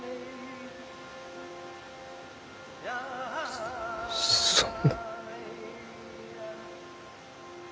そそんな。